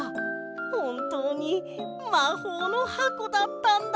ほんとうにまほうのはこだったんだ！